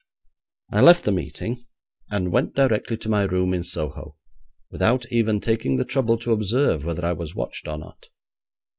I left the meeting and went directly to my room in Soho, without even taking the trouble to observe whether I was watched or not.